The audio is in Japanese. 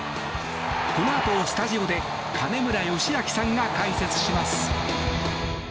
このあと、スタジオで金村義明さんが解説します。